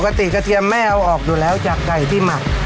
ปกติกระเทียมแม่เอาออกอยู่แล้วจากไก่ที่หมัก